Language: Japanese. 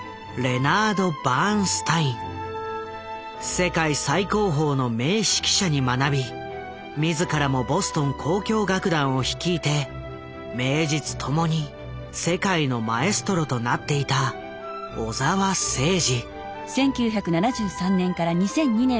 世界最高峰の名指揮者に学び自らもボストン交響楽団を率いて名実ともに世界のマエストロとなっていた小澤征爾。